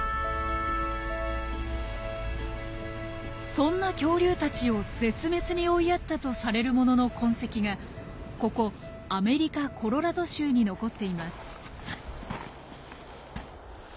そんな恐竜たちを絶滅に追いやったとされるものの痕跡がここアメリカ・コロラド州に残っています。